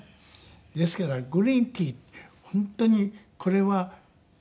ですから「グリーンティー本当にこれはいいですね」